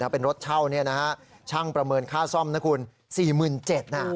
อย่างเป็นรถชาวนะฮะช่างประเมินค่าซ่อมนะคุณ๔๗๐๐๐บาท